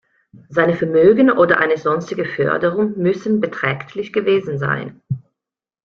Seine Vermögen oder eine sonstige Förderung müssen beträchtlich gewesen sein.